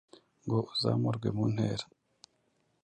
ngo uzamurwe mu ntera